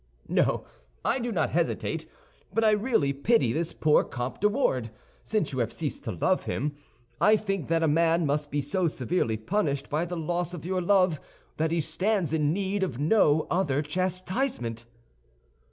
"No, I do not hesitate; but I really pity this poor Comte de Wardes, since you have ceased to love him. I think that a man must be so severely punished by the loss of your love that he stands in need of no other chastisement."